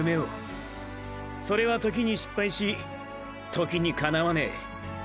それは時に失敗し時に叶わねェ。